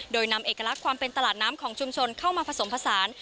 โดยนำเอกลักษณ์ความเป็นตลาดน้ำของชุมชนเข้ามาผสมผสาน